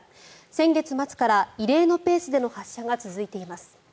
先月末から異例のペースでの発射が続いています。